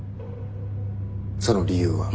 その理由は。